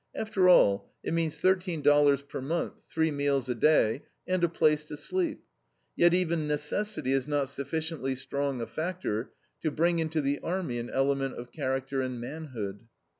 After all, it means thirteen dollars per month, three meals a day, and a place to sleep. Yet even necessity is not sufficiently strong a factor to bring into the army an element of character and manhood.